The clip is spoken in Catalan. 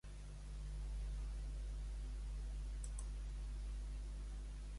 A hora de cavallers.